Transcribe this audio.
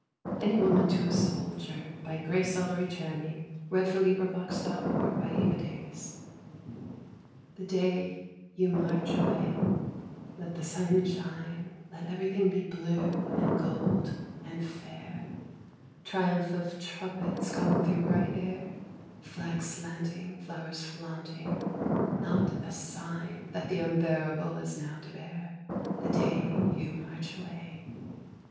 ANY WOMAN TO A SOLDIER GRACE ELLERY CHANNING [Sidenote: 1917, 1918] The day you march away let the sun shine, Let everything be blue and gold and fair, Triumph of trumpets calling through bright air, Flags slanting, flowers flaunting not a sign That the unbearable is now to bear, The day you march away.